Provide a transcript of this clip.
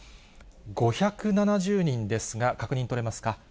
５７０人ですが、確認取れますか？